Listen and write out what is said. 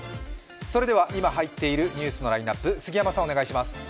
それでは、今はいっているニュースのラインナップ、杉山さん、お願いします。